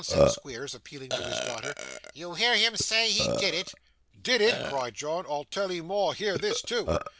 said Squeers, appealing to his daughter. 'You hear him say he did it!' 'Did it!' cried John. 'I'll tell 'ee more; hear this, too.